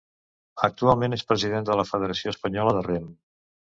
Actualment és president de la Federació Espanyola de rem.